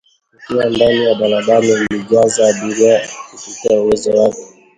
Nikiwa ndani ya daladala iliyojaza abiria kupita uwezo wake